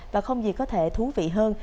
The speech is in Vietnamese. và không gì có thể thú vị hơn